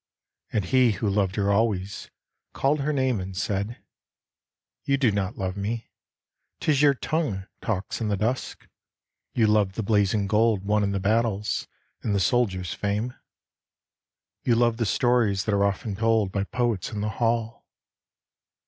And he who loved her always called her name And said :" You do not love me, 'tis your tongue Talks in the dusk ; you love the blazing gold Won in the battles, and the soldier's fame. You love the stories that are often told By poets in the hall."